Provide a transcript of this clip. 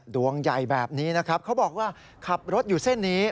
ดวงใหญ่แบบนี้นะครับเขาบอกว่าขับรถอยู่เส้นนี้